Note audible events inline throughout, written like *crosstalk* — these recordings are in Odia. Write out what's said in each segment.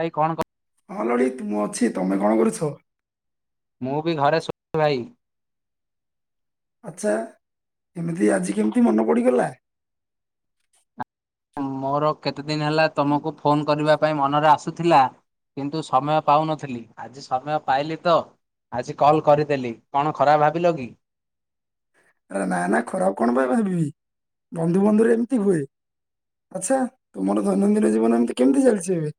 ଭାଇ କଣ କ ହଁ ଲଳିତ ମୁଁ ଅଛି ତମେ କଣ କରୁଛ? ମୁଁ ବି ଘରେ *unintelligible* ଭାଇ। ଆଛା ଏମିତି ଆଜି କେମିତି ମନେ ପଡିଗଲା? ମୋର କେତେଦିନ ହେଲା ତମକୁ ଫୋନ କରିବା ପାଇଁ ମନରେ ଆସୁଥିଲା। କିନ୍ତୁ ସମୟ ପାଉନଥିଲି ଆଜି ସମୟ ପାଇଲି ତ। ଆଜି କଲ କରିଦେଲି। କଣ ଖରାପ ଭାବିଲ କି? ଆରେ ନା ନା ଖରାପ କଣ ପାଇଁ ଭାବିବି? ବନ୍ଧୁ ବନ୍ଧୁ ରେ ଏମିତି ହୁଏ। ଆଚ୍ଛା ତୁମର ଦୈନନ୍ଦିନ ଜୀବନ ଏମିତି କେମିତି ଚାଲିଚି ଏବେ?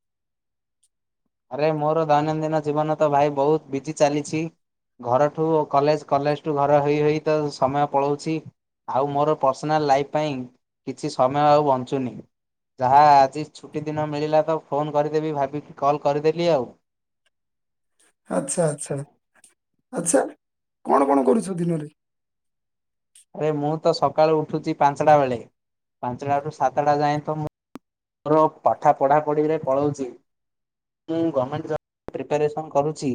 ଆରେ ମୋର ଦୈନଦିନ ଜୀବନ ତ ଭାଇ ବହୁତ ବିଜି ଚାଲିଛି। ଘରଠୁ କଲେଜ କଲେଜଠୁ ଘର ହୋଇ ହୋଇ ତ ସମୟ ପଳଉଛି। ଆଉ ମୋର ପର୍ସନାଲ ଲାଇଫ ପାଇଁ କିଛି ସମୟ ଆଉ ବଞ୍ଚୁନି। ଯାହା ଆଜି ଛୁଟି ଦିନ ମିଳିଲା ତ ଫୋନ କରିଦେବି ଭାବିକି କଲ୍ କରିଦେଲି ଆଉ। ଆଚ୍ଛା ଆଚ୍ଛା ଆଚ୍ଛା। କଣ କଣ କରୁଛ ଦିନରେ? ଆରେ ମୁଁ ତ ସକାଳୁ ଉଠୁଚି ପାଞ୍ଚଟା ବେଳେ ପାଞ୍ଚଟା ରୁ ସାତଟା ଯାଏ ତ ମୁଁ ମୋର ପାଠା ପଢ଼ାପଢିରେ ପଳଉଚି ମୁଁ ଗମେଣ୍ଟ ଜ ପ୍ରିପାରେସନ କରୁଛି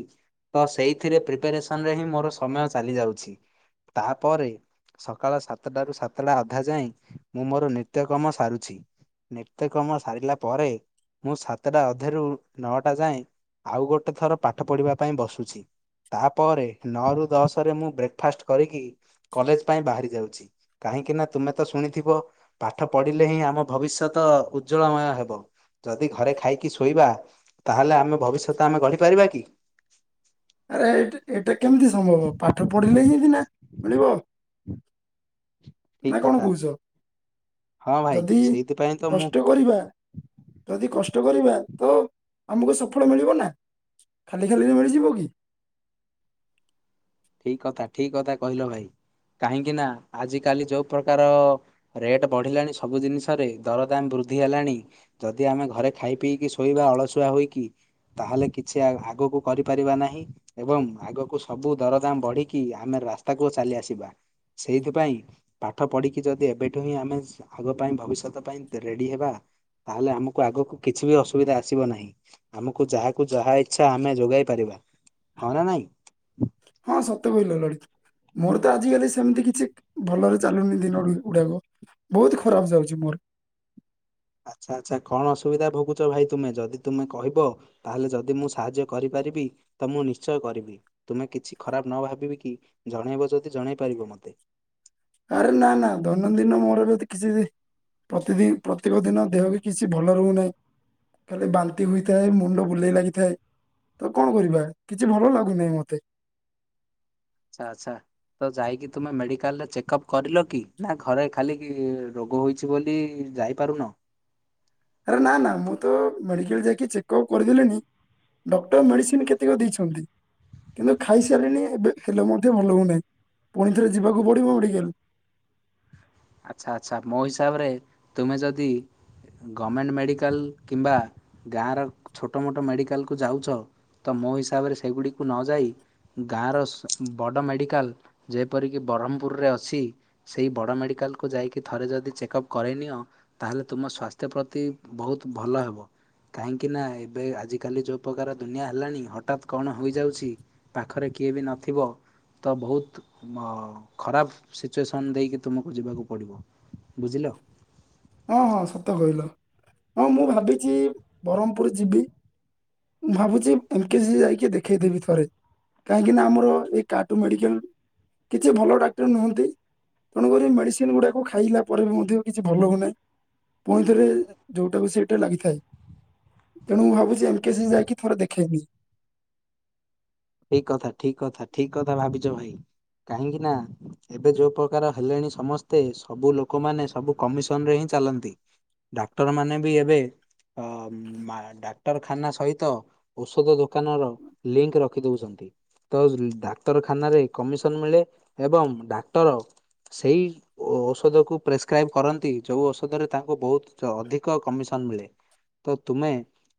ତ ସେଇଥିରେ ପ୍ରିପାରେସନରେ ହିଁ ମୋର ସମୟ ଚାଲିଯାଉଛି। ତାପରେ ସକାଳ ସାତଟରୁ ସାତଟା ଅଧା ଯାଏଁ ମୁଁ ମୋର ନିତ୍ୟକମ ସାରୁଛି ନି ତ୍ୟକର୍ମ କମ ସାରିଲା ପରେ ମୁଁ ସାତଟା ଅଧେରୁ ନଅଟା ଯାଏଁ ଆଉ ଗୋଟେ ଥର ପାଠ ପଢିବା ପାଇଁ ବସୁଛି। ତାପରେ ନଅରୁ ଦଶରେ ମୁଁ ବ୍ରେକ ଫାଷ୍ଟ କରିକି କଲେଜ ପାଇଁ ବାହାରି ଯାଉଛି କାହିଁକି ନା ତୁମେ ତ ଶୁଣିଥିବ ପାଠ ପଢିଲେ ହିଁ ଆମ ଭବିଷ୍ୟତ ଉଜ୍ଜଳମୟ ହେବ ଯଦି ଘରେ ଖାଇକି ଶୋଇବା ତାହେଲେ ଆମ ଭବିଷ୍ୟତ ଆମେ ଗଢି ପାରିବା କି? ଆରେ ଏଇଟ ଏଇଟା କେମିତି ସମ୍ଭବ ପାଠ ପଢିଲେ ହିଁ *unintelligible* ନା ମିଳିବ। ନା ଠିକ କଣ କଥା। କହୁଛ? ହଁ ଭାଇ ଯଦି ସେଇଥିପାଇଁ ତ ମୁଁ କଷ୍ଟ କରିବା ଯଦି କଷ୍ ଷ୍ଟ କରିବା ତ ଆମୁକୁ ସଫଳ ମିଳିବ ନା, ଖାଲି ଖାଲିରେ ମିଳିଯିବ କି? ଠିକ କଥା ଠିକ କଥା କହିଲ ଭାଇ। କାହିଁକି ନା ଆଜି କାଲି ଯୋଉ ପ୍ରକାର ରେଟ ବଢିଲାଣି ସବୁ ଜିନିଷରେ ଦରଦାମ ବୃ ବୃଦ୍ଧି ହେଲାଣି ଯଦି ଆମେ ଘରେ ଖାଇ ପିଇକି ଶୋଇବା ଅଳସୁଆ ହୋଇକି ତାହେଲେ କିଛି ଆ ଆଗକୁ କରିପାରିବା ନାହିଁ ଏବଂ ଆଗକୁ ସବୁ ଦରଦାମ ବଢିକି ଆମେ ରାସ୍ତାକୁ ଚାଲି ଆସିବା। ସେଇଥିପାଇଁ ପାଠ ପଢିକି ଯଦି ଏବେଠୁ ହିଁ ଆମେ ଆଗ ପାଇଁ ଭବିଷ୍ୟତ ପାଇଁ ରେଡି ହେବା ତାହେଲେ ଆମକୁ ଆଗକୁ କିଛି ବି ଅସୁବିଧା ଆସିବ ନାହିଁ ଆମକୁ ଯାହାକୁ ଯାହା ଇଛା ଆମେ ଯୋଗାଇ ପାରିବା। ହଁ ନା ନାଇଁ? ହଁ ସତେ କହିଲ ଲଳିତ। ମୋର ତ ଆଜିକାଲି ସେମିତି କିଛି ଭଲରେ ଚାଲୁନି ଦିନ ଗୁଡାକ। ବହୁତ ଖରାପ ଯାଉଛି ମୋର। ହ ଆଚ୍ଛା ଆଚ୍ଛା କଣ ଅସୁବିଧା ଭୋଗୁଛ ଭାଇ ତୁମେ ଯଦି ତୁମେ କହିବ ତାହେଲେ ଯଦି ମୁଁ ସାହାଯ୍ୟ କରିପା ରିପାରିବି ତ ମୁଁ ନିଶ୍ଚୟ କରିବି ତୁମେ କିଛି ଖରାପ ନ ଭାବିବି କି ଜଣେଇବ ଯଦି ଜଣେଇ ପାରିବ ମତେ। ଆରେ ନା ନା ଦୈନନ୍ଦିନ ମୋର ଯଦି କିଛି ପ୍ରତିଦି ପ୍ରତ୍ୟେକ ଦିନ ଦେହ ବି କିଛି ଭଲ ରହୁନାହିଁ ଖାଲି ବାନ୍ତି ହୋଇଥାଏ ମୁଣ୍ଡ ବୁଲେଇ ଲାଗିଥାଏ। ତ କଣ କରିବା କିଛି ଭଲ ଲାଗୁନାହିଁ ମତେ। ଆଛା ଆଛା। ତ ଯାଇକି ତୁମେ ମେଡିକାଲରେ ଚେକଅପ୍ କରିଲ କି ନା ଘରେ ଖାଲି କି ରୋଗ ହୋଇଛି ବୋଲି ଯାଇପାରୁନ! ଆରେ ନା ନା ମୁଁ ତ ମେଡିକାଲ ଯାଇକି ଚେକଅପ୍ କରିଦେଲିଣି ଡକ୍ଟର ମେଡିସିନ କେତେକ ଦେଇଛନ୍ତି କିନ୍ତୁ ଖାଇସାରିଲିଣି ଏବେ ହେଲେ ମଧ୍ୟ ଭଲ ହଉନାହିଁ ପୁଣି ଥରେ ଯିବାକୁ ପଡିବ ମେଡିକାଲ। ଆଛା ଆଛା ମୋ ହିସାବରେ ତୁମେ ଯଦି ଗମେଣ୍ଟ ମେଡ଼ିକାଲ କିମ୍ବା ଗାଁର ଛୋଟ ମୋଟ ମେଡ଼ିକାଲକୁ ଯାଉଛ ତ ମୋ ହିସାବରେ ସେଗୁଡିକୁ ନ ଯାଇ ଗାଁର ସ ବଡ଼ ମେଡ଼ିକାଲ ଯେପରିକି ବ୍ରହ୍ମପୁରରେ ଅଛି ସେହି ବଡ଼ ମେଡି କାଲ କୁ ଯାଇକି ଥରେ ଯଦି ଚେକଅପ୍ କରେଇ ନିିଅ ତାହେଲେ ତୁମ ସ୍ଵାସ୍ଥ୍ୟ ପ୍ରତି ବହୁତ ଭଲ ହବ। କାହିଁକି ନା ଏବେ ଆଜି କାଲି ଯୋଉ ପ୍ରକାର ଦୁନିଆ ହେଲାଣି ହଠାତ୍ କଣ ହୋଇଯାଉଛି ପାଖରେ କିଏ ବି ନଥିବ ତ ବହୁତ ଅ ଖରାପ ସିଚୁଏସନ୍ ଦେଇକି ତୁମ କୁ ଯିବାକୁ ପଡ଼ିବ ବୁଝିଲ! ହଁ ହଁ ସତ କହିଲ ହଁ ମୁଁ ଭାବିଛି ବ୍ରହ୍ମପୁର ଯିବି ମୁଁ ଭାବୁଛି ଏମକେଜି ଯାଇକି ଦେଖେଇଦେବି ଥରେ। କାହିଁକି ନା ଆମର ଏଇ କାଟୁ ମେଡିକାଲ କିଛି ଭଲ ଡାକ୍ଟର ନୁହଁନ୍ତି ତେଣୁକରି ମେଡିସିନ ଗୁଡାକୁ ଖାଇଲା ପରେ ବି ମଧ୍ୟ କିଛି ଭଲ ହଉନାହିଁ। ପୁଇଁଥରେ ଯୋଉଁଟା ବି ସେଇଟା ଲାଗିଥାଏ। ତେଣୁ ମୁଁ ଭାବୁଛି ଏମକସି ଯାଇକି ଥର ଦେଖେଇମି। ଠିକ କଥା ଠିକ କଥା ଠିକ କଥା ଭାବିଛ ଭାଇ। କାହିଁକି ନା ଏବେ ଯୋଉ ପ୍ରକାର ହେଲେଣି ସମସ୍ତେ ସବୁ ଲୋକମାନେ ସବୁ କମିଶନ ରେ ହି ଚାଲନ୍ତି ଡାକ୍ଟର ମାନ ବି ଏବେ ଅ ଡାକ୍ତରଖାନା ସହିତ ଔଷଧ ଦୋକାନ ର ଲିଙ୍କ ରଖ ରଖି ଦଉଛନ୍ତି ତ ଡାକ୍ତରଖାନାରେ କମିଶନ ମିଳେ ଏବଂ ଡାକ୍ତର ସେଇ ଔଷଧ କୁ ପ୍ରେସ୍କ୍ରାଇବ କରନ୍ତି ଯଉ ଔଷଧରେ ତାଙ୍କୁ ବହୁତ ଅଧିକ କମିଶନ ମିଳେ ତ ତୁମେ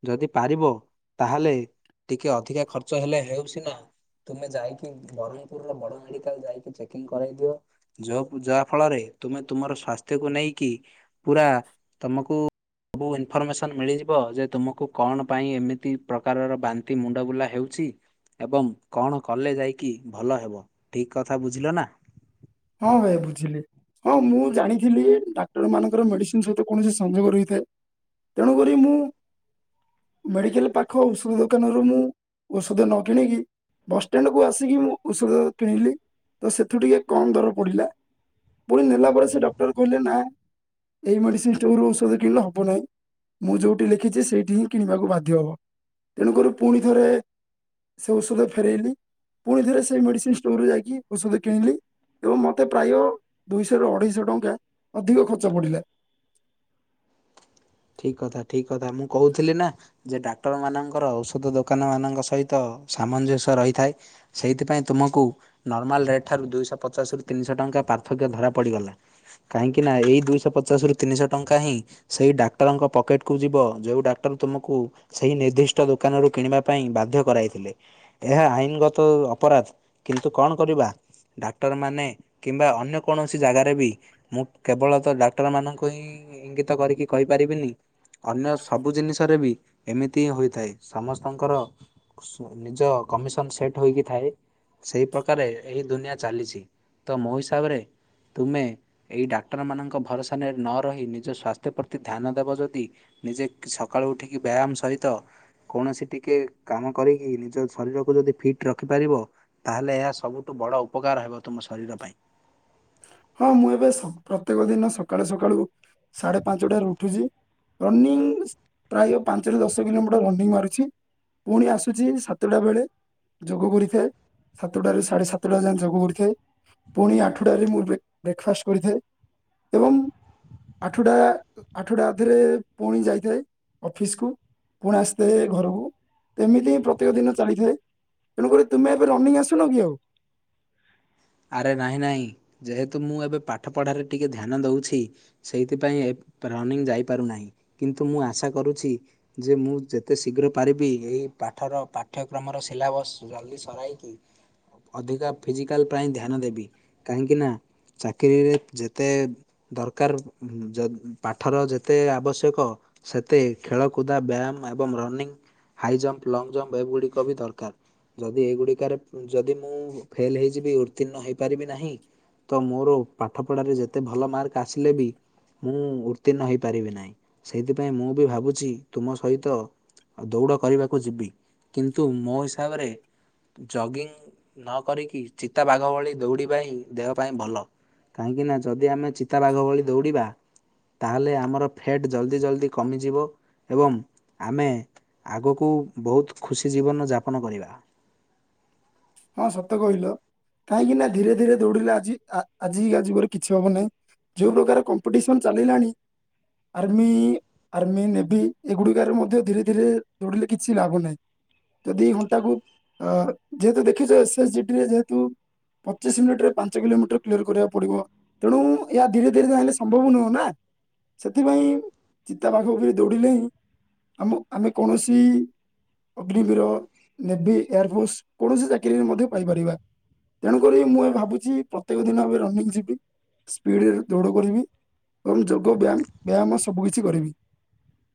ଯଦି ପାରିବ ତାହେଲେ ଟିକେ ଅଧିକ ଖର୍ଚ୍ଚ ଖର୍ଚ୍ଚ ହେଲେ ହେଉ ସିନା ତୁମେ ଯାଇକି ବ୍ରହ୍ମପୁର ର ବଡମେଡିକାଲ ଯାଇକି ଚେକିଂ କରାଇ ଦିଅ ଯଉ ଯାହା ଫଳରେ ତୁମେ ତୁମର ସ୍ଵାସ୍ଥ୍ୟକୁ ନେଇକି ପୁରା ତମକୁ ସବୁ ଇନଫର୍ମେଶନ ମିଳିଯିବ ଯେ ତୁମକୁ କଣ ପାଇଁ ଏମିତି ପ୍ରକାରର ବାନ୍ତି ମୁଣ୍ଡବୁଲା ହେଉ ଛି ଏବଂ କଣ କଲେ ଯାଇକି ଭଲ ହେବ ଠିକ୍ କଥା ବୁଝିଲନା। ହଁ ଭାଇ ବୁଝିଲି ହଁ ମୁଁ ଜାଣିଥିଲି ଡାକ୍ତର ମାନଙ୍କର ମେଡିସିନ ସହିତ କୌଣସି ସଂଯୋଗ ରହିଥାଏ। ତେଣୁକରି ମୁଁ ମେଡିକାଲ ପାଖ ଔଷଧ ଦୋକାନରୁ ମୁଁ ଔଷଧ ନ କିଣିକି ବସ୍ ଷ୍ଟାଣ୍ଡକୁ ଆସିକି ମୁଁ ଔଷଧ କିଣିଲି ତ ସେଥୁ ଟିକେ କମ୍ ଦର ପଡିଲା ପୁଣି ନେଲା ପରେ ସେ ଡକ୍ଟର କହିଲେ ନାଁ ଏହି ମେଡିସିନ୍ ଷ୍ଟୋରରୁ ଔଷଧ କିଣିଲେ ହବ ନାହିଁ। ମୁଁ ଯୋଉଠି ଲେଖିଛି ସେଇଠି ହିଁ କିଣିବାକୁ ବାଧ୍ୟ ହବ ତେଣୁକରି ପୁଣି ଥରେ ସେ ଔଷଧ ଫେରାଇଲି ପୁଣି ଥରେ ସେଇ ମେଡିସିନ ଷ୍ଟୋରରେ ଯାଇକି ଔଷଧ କିଣିଲି। ଏବଂ ମତେ ପ୍ରାୟ ଦୁଇଶହ ରୁ ଅଢେଇଶହ ଟଙ୍କା ଅଧିକ ଖର୍ଚ୍ଚ ପଡିଲା। *inaudible* ଠିକ କଥା ଠିକ କଥା ମୁଁ କହୁଥିଲି ନା ଯେ ଡାକ୍ତର ମାନଙ୍କର ଔଷଧ ଦୋକାନ ମାନଙ୍କ ସହିତ ସାମଞ୍ଜସ୍ୟ ରହିଥାଏ। ସେଇଥିପାଇଁ ତୁମକୁ ନର୍ମାଲ ରେଟ୍ ଠାରୁ ଦୁଇଶ ପଚାଶ ରୁ ତିନିଶ ଟଙ୍କା ପାର୍ଥକ୍ୟ ଧରା ପଡ଼ିଗଲା। କାହିଁକି ନା ଏଇ ଦୁଇଶ ପଚାଶ ରୁ ତିନିଶ ଟଙ୍କା ହିଁ ସେଇ ଡାକ୍ତର ଡାକ୍ତରଙ୍କ ପକେଟ୍ କୁ ଯିବ ଯୋଉ ଡାକ୍ଟର ତୁମକୁ ସେହି ନିର୍ଦ୍ଦିଷ୍ଟ ଦୋକାନରୁ କିଣିବା ପାଇଁ ବାଧ୍ୟ କରାଇଥି ଲେ ଏହା ଆଇନଗତ ଅପରାଧ କିନ୍ତୁ କଣ କରିବା। ଡାକ୍ଟରମାନେ କିମ୍ବା ଅନ୍ୟ କୌଣସି ଜାଗାରେ ବି ମୁଁ କେବଳ ତ ରଡାକ୍ଟରମାନଙ୍କୁ ହିଁ ଇଙ୍ଗିତ କରିକି କହିପାରିବିନି ଅନ୍ୟ ସବୁ ଜିନିଷରେ ବି ଏମିତି ହିଁ ହୋଇଥାଏ ସମସ୍ତଙ୍କର ଖୁସ୍ ନିଜ କମିଶନ ସେଟ୍ ହୋଇକି ଥାଏ। ସେଇ ପ୍ରକାରେ ଏହି ଦୁନିଆ ଚାଲିଛି ତ ମୋ ହିସାବରେ ତୁମେ ଏଇ ଡାକ୍ଟର ମାନଙ୍କ ଭରସାନେ ନ ରହିଁ ନିଜ ସ୍ୱାସ୍ଥ୍ୟ ପ୍ରତି ଧ୍ୟାନ ଦେବ ଯଦି ନିଜେକ୍ ସକାଳୁ ଉଠିକି ବ୍ୟାୟାମ ସହିତ କୌଣସି ଟିକେ କାମ କରିକି ନିଜ ଶରୀରକୁ ଯଦି ଫିଟ ରଖିପାରିବ ତାହେଲେ ଏହା ସବୁଠୁ ବଡ଼ ଉପକାର ହେବ। ତୁମ ଶରୀର ପାଇଁ। ହଁ ମୁଁ ଏବେ ସକ୍ ପ୍ରତ୍ୟେକ ଦିନ ସକ୍ ସକାଳୁ ସକାଳୁ ସାଢେ ପାଞ୍ଚଟାରୁ ଉଠୁଚି। ରନିଂ ପ୍ରାୟ ପାଞ୍ଚରୁ ଦଶ କିଲୋମିଟର ରନିଂ ମାରୁଛି। ପୁଣି ଆସୁଛି ସାତଟା ବେଳେ ଯୋଗ କରିଥାଏ ସାତଟା ରୁ ସାଢେ ସାତଟା ଯାଏ ଯୋଗ କରିଥାଏ। ପୁଣି ଆଠୁଟାରେ ମୁଁ ବ୍ରେ ବ୍ରେକ୍ଫାଷ୍ଟ କରିଥାଏ ଏବଂ ଆଠୁଟା ଆଠୁଟା ଅଧେରେ ପୁଣି ଯାଇଥାଏ ଅଫିସକୁୁ। ପୁଣି ଆସିଥାଏ ଘରକୁ ଏମିତି ହିଁ ପ୍ରତେକ ଦିନ ଚାଲିଥାଏ। ତେଣୁକରି ତୁମେ ଏବେ ରନିଂ ଆସୁନ କି ଆଉ। *inaudible* ଆରେ ନହିଁ ନହିଁ ଯେହେତୁ ମୁଁ ଏବେ ପାଠ ପଢାରେ ଟିକେ ଧ୍ୟାନ ଦଉଛି ସେଇଥିପାଇଁ ଏ ରନିଂ ଯାଇପାରୁନାହିଁ କିନ୍ତୁ ମୁଁ ଆଶା କରୁଛି ଯେ ମୁଁ ଯେତେ ଶୀଘ୍ର ପାରିବି ଏ ପାଠ ର ପାଠ୍ୟକ୍ରମର ସିଲାବସ୍ ଜଲ୍ଦି ସରାଇକି ଅଧିକ ଫିଜିକାଲ ପ୍ରାୟ ଧ୍ୟାନ ଦେବି କାହିଁକି ନା ଚାକିରିରେ ଯେତେ ଦରକାରରୁ ଜଦ ପାଠର ଯେତେ ଆବଶ୍ୟକ। ସେତେ ଖେଳକୁଦା ବ୍ୟାୟାମ ଏବଂ running. High jump long jump ଏଗୁଡ଼ିକ ବି ଦରକାର। ଯଦି ଏଇଗୁଡିକରେ ଯଦି ମୁଁ ଫେଲ ହେଇଯିବି। ଉତ୍ତୀର୍ଣ୍ଣ ହେଇପାରିବି ନାହିଁ ତ ମୋର ପାଠ ପଢାରେ ଯେତେ ଭଲ ମାର୍କ ଆସିଲେ ବି ମୁଁ ଉତ୍ତୀର୍ଣ ହେଇପାରିବି ନାହିଁ ସେଇଥିପାଇଁ ମୁଁ ବି ଭାବୁଛି ତୁମ ସହିତ ଆ ଦୌଡ଼ କରିବାକୁ ଯିବି କିନ୍ତୁ ମୋ ହିସାବରେ ଜଗିଙ୍ଗ ନକିକି ଚିତାବାଘ ଭଳି ଦୌଡ଼ିବା ହିଁ ଦେହ ପାଇଁ ଭଲ କାହିଁକି ନା ଯଦି ଆମେ ଚିତାବାଘ ଭଳି ଦୌଡିବା। ତାହେଲେ ଆମର ଫ୍ୟାଟ ଜଲ୍ଦି ଜଲଦି କମିଯିବ। ଏବଂ ଆମେ ଆଗକୁ ବହୁତ ଖୁସି ଜୀବନ ଯାପନ କରିବା। ହଁ ସତ କହିଲ। କାହିଁକି ନା ଧୀରେ ଧୀରେ ଦୌଡିଲେ ଆଜି ଆଜି ଆଜିିବରେ କିଛି ହବ ନାହିଁ। ଯୋଉ ପ୍ରକାର କମ୍ପିଟିସନ ଚାଲିଲାଣି। ଆର୍ମି ଆର୍ମି ନେଭି ଏଗୁଡିକରେ ମଧ୍ୟ ଧୀରେ ଧୀରେ ଦୌଡିଲେ କିଛି ଲାଭ ନାହିଁ। ଯଦି ଘଣ୍ଟାକୁ ଅ ଯେହେତୁ ଦେଖିଛ ଏସ ଜି ଡ଼ି ରେ ଯେତୁ ପଚିଶ ମିନିଟ ରେ ପାଞ୍ଚ କିଲୋମିଟର କ୍ଲିୟର କରିବାକୁ ପଡିବ ତେଣୁ ଏହା ଧୀରେ ଧୀରେ ଚାହିଁଲେ ସମ୍ଭବ ନୁହେଁ ନା। ସେଥିପାଇଁ ଚିତା ପାଖ ଉପରେ ଦୌଡ଼ିଲେ ହିଁ ଆମ ଆମେ କୌଣସି ଅଗ୍ନିବୀର ନେଭି ଏୟାରଫୋର୍ସ କୌଣସି ଚାକିରୀ ରେ ମଧ୍ୟ ପାଇପାରିବା। ତେଣୁକରି ମୁଁ ଏବେ ଭାବୁଛି ପ୍ରତ୍ୟେକ ଦିନ ଏବେ ରନିଂ ଯିବି ସ୍ପିଡରେ ଦୌଡ କରିବି ଏବଂ ଯୋଗ ବ୍ୟାୟାମ ବ୍ୟାୟାମ ସବୁ କିଛି କରିବି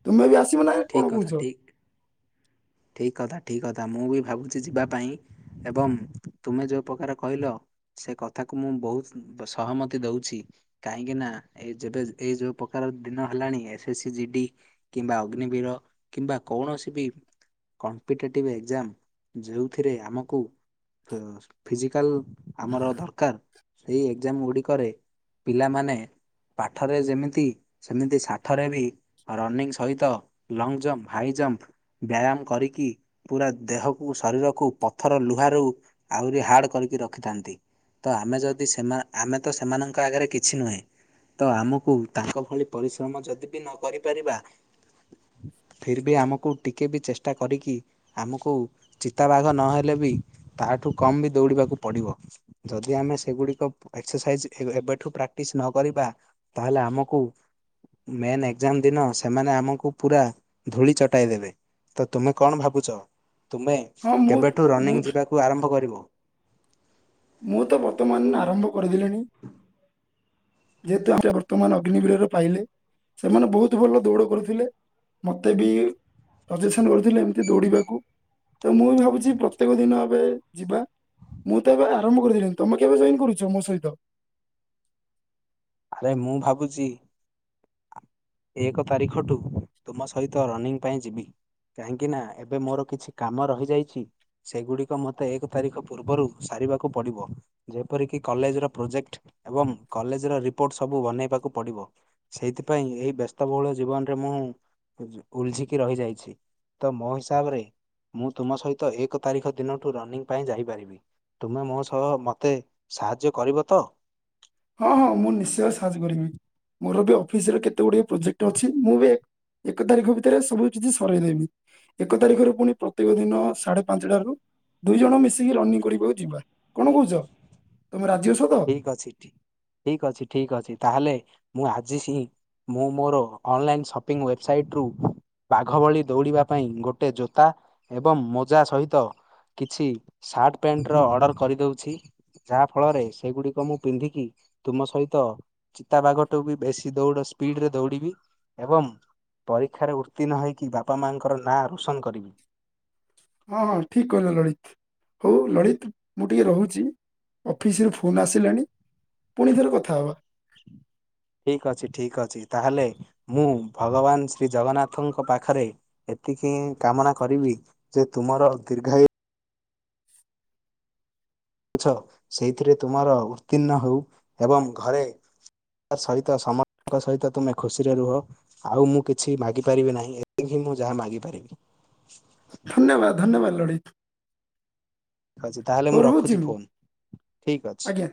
ତମେବି ଆ ଠିକ କଥା ଠିକ ଠିକ୍ କଥା ଠିକ୍ କଥା ମୁଁ ବି ଭାବୁଛି ଯିବା ପାଇଁ ଏବଂ ତୁମେ ଯେଉଁ ପ୍ରକାର କହିଲ ସେ କଥାକୁ ମୁଁ ବହୁତ ସହମତି ଦଉଛି କାହିଁକି ନା ଏ ଯେବେ ଏଇ ଯୋଉ ପ୍ରକାର ଦିନ ହେଲାଣି S S C G D କିମ୍ବା ଅଗ୍ନିବୀର କିମ୍ବା କୌଣସି ବି କମ୍ପିଟେଟିଭ ଏକ୍ଜାମ ଯେଉଁଥିରେ ଆମକୁ ଫି ଫିଜିକାଲ ଆମର ଦରକାର ସେଇ ଏକ୍ଜାମ ଗୁଡିକରେ ପିଲାମାନେ ପାଠରେ ଯେମିତି ସେମିତି ସାଠରେ ବି ରନିଂ ସହିତ ଲଙ୍ଗ ଜମ୍ପ ହାଇ ଜମ୍ପ ବ୍ୟାୟାମ କରିକି ପୁରା ଦେହକୁ ଶରୀରକୁ ପଥର ଲୁହାରୁ ଆହୁରି ହାର୍ଡ କରିକି ରଖିଥାନ୍ତି ତ ଆମେ ଯଦି ସେ ଆମେ ତ ସେମାନଙ୍କ ଆଗରେ କିଛି ନୁହେଁ। ତ ଆମକୁ ତାଙ୍କ ଭଳି ପରିଶ୍ରମ ଯଦି ବି ନ କରି ପାରିବା। ଫିର୍ ବି ଆମକୁ ଟିକେ ବି ଚେଷ୍ଟା କରିକି ଆମକୁ ଚିତାବାଘ ନହେଲେ ବି ତା ତାଠୁ କମ୍ ବି ଦୌଡ଼ିବାକୁ ପଡ଼ିବ ଯଦି ଆମେ ସେଗୁଡ଼ିକ ଏକ୍ସରସାଇଜ୍ ଏବେଠୁ ପ୍ରାକ୍ଟିସ୍ ନ କରିବା ତାହେଲେ ଆମକୁ ମେନ୍ ଏଜ୍ଜାମ ଦିନ ସେମାନେ ଆମକୁ ପୁରା ଧୂଳି ଚଟାଇ ଦେବେ ତ ତୁମେ କଣ ଭାବୁଛ? ତୁମେ ହଁ ମୁଁ କେବେଠୁ ମୁଁ ରନିଂ ଯିବାକୁ ଆରମ୍ଭ କରିବ? ମୁଁ ତ ବର୍ତ୍ତମାନ ଆରମ୍ଭ କରିଦେଲିିଣି। ଯେହେତୁ ଆମ ବର୍ତ୍ତମାନ ଅଗ୍ନିବୀରରେ ପାଇଲେ ସେମାନେ ବହୁତ ଭଲ ଦୌଡ଼ କରୁଥିଲେ। ମତେ ବି ସଜେସନ ଦଉଥିଲେ ଏମିତି ଦୌଡିବାକୁ। ତ ମୁଁ ବି ଭାବୁଛି ପ୍ରତ୍ୟେକ ଦିନ ଏବେ ଯିବା ମୁଁ ତ ଏବେ ଆରମ୍ଭ କରିଦେଇଥିଲି ତମେ କେବେ ଜଇନ କରୁଛ ମୋ ସହିତ ଆରେ ମୁଁ ଭାବୁଛି ଏକ ତାରିଖଠୁ ତୁମ ସହିତ ରନିଂ ପାଇଁ ଯିବି। କାହିଁକିନା ଏବେ ମୋର କିଛି କାମ ରହିଯାଇଛି ସେଗୁଡିକ ମତେ ଏକ ତାରିଖ ପୂର୍ବରୁ ସାର ଯେପ କଲେଜ ର ପ୍ରୋଜେକ୍ଟ ଏବଂ କଲେ ରିପୋର୍ଟ ସବୁ ବନେଇବାକୁ ପଡିବ ସେଇଥିପାଇଁ ଏଇ ବ୍ୟସ୍ତବହୁଳ ଜୀବନରେ ମୁଁ ଉଲଝିକି ରହିଯାଇଛି ତ ମୋ ହିସାବରେ ମୁଁ ତୁମ ସହିତ ଏକ ତାରିଖ ଦିନଠୁ ରନିଂ ପାଇଁ ଯାଇପାରିବି। ତୁମେ ମୋ ସହ ମତେ ସାହାଯ୍ୟ କରିବ ତ? ହଁ ହଁ ମୁଁ ନିଶ୍ଚୟ ସାହାଯ୍ୟ କରିବି ମୋର ବି ଅଫିସରେ କେତେ ଗୁଡିଏ ପ୍ରୋଜେକ୍ଟ ଅଛି ମୁଁ ବି ଏକ ତାରିଖ ଭିତରେ ସବୁ କିଛି ସରାଇଦେବି ଏକ ତାରିଖରେ ପୁଣି ପ୍ରତ୍ୟେକ ଦିନ ସାଢେ ପାଞ୍ଚଟାରୁ ଦୁଇ ଜଣ ମିଶିକି ରନିଂ କରିବାକୁ ଯିବା କଣ କହୁଛ? ତମେ ରାଜି ଅଛ ତ ଠିକ ଅଛି ଠିକ ଅଛି ଠିକ ଅଛି ତାହେଲେ ମୁଁ ଆଜି ସି ମୁଁ ମୋର ଅନଲାଇନ୍ ସପିଂ ୱେବ୍ସାଇଟ୍ରୁ ବାଘ ଭଳି ଦୌଡ଼ିବା ପାଇଁ ଗୋଟେ ଜୋତା ଏବଂ ମୋଜା ସହିତ କିଛି ସାର୍ଟ ପ୍ୟାଣ୍ଟ ର ଅର୍ଡର କରିଦଉଛି। ଯାହା ଫଳରେ ସେଗୁଡିକ ମୁଁ ପିନ୍ଧିକି ତୁମ ସହିତ ଚିତାବାଘଟୁ ବି ବେଶୀ ଦୌଡ ସ୍ପିଡ ରେ ଦୌଡ଼ିବି। ଏବଂ ପରୀକ୍ଷାରେ ଉତ୍ତୀର୍ଣ୍ଣ ହୋଇକି ବାପା ମାଙ୍କର ନାଁ ରୋଶନ କରିବି। ହଁ ହଁ ଠିକ କହିଲ ଲଳିତ ହଉ ଲଳିତ ମୁଁ ଟିକେ ରହୁଛି। ଅଫିସରେ ଫୋନ ଆସିଲାଣି ପୁଣି ଥରେ କଥା ହବା। *inaudible* ଠିକ ଅଛି ଠିକ ଅଛି ତାହେଲେ ମୁଁ ଭଗବାନ ଶ୍ରୀ ଜଗନ୍ନାଥଙ୍କ ପାଖରେ ଏତିକି କାମନା କରିବି ଯେ ତୁମର ଦୀର୍ଘାୟୁ ଛ ସେଇଥିରେ ତୁମର ଉତ୍ତୀର୍ଣ୍ଣ ହେଉ ଏବଂ ଘରେ ତା ସହିତ ସମସ୍ତଙ୍କ ସହିତ ତୁମେ ଖୁସିରେ ରୁହ ଆଉ ମୁଁ କିଛି ମାଗିପାରିବି ନାହିଁ। *unintelligible* ମୁଁ ଯାହା ମାଗି ପାରିବି। ଧନ୍ୟବାଦ *unintelligible* ଅଛି ତାହେଲେ ହଉ ମୁଁ ରହୁଛି ରଖୁଛି ଫୋନ ଠିକ ଅଛି। ଆଜ୍ଞା